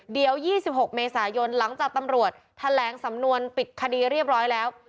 เดี๋ยว๒๖เมษายนหลังจากตำรวจแถลงสำนวนปิดคดีเรียบร้อยแล้ว